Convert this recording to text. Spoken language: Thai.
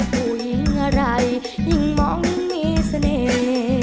ผู้หญิงอะไรยิ่งมองยิ่งมีเสน่ห์